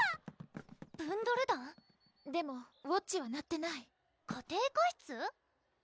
ブンドル団⁉でもウォッチは鳴ってない家庭科室？